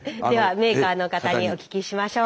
メーカーの方にお聞きしましょう。